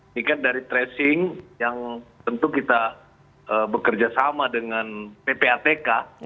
ini kan dari tracing yang tentu kita bekerja sama dengan ppatk